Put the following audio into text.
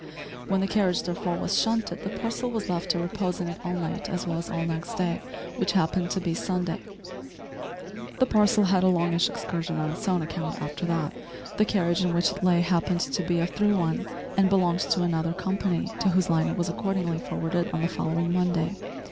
When the carriage therefore was shunted the parcel was left to repose in it all night as well as all next day, which happened to be Sunday. The parcel had a longish excursion on its own account after that. The carriage in which it lay happened to be a "through one," and belonged to another company, to whose line it was accordingly forwarded on the following Monday.